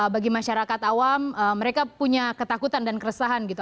bagi masyarakat awam mereka punya ketakutan dan keresahan gitu